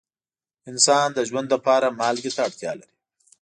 انسان د ژوند لپاره مالګې ته اړتیا لري.